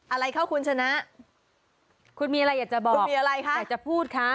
อะไรข้าวคุณชนะคุณมีอะไรอยากจะบอกอยากจะพูดคะ